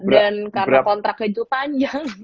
dan karena kontraknya itu panjang